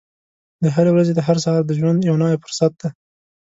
د هرې ورځې هر سهار د ژوند یو نوی فرصت دی.